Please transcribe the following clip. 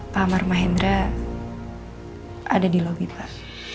pak amar mahendra ada di lobi pak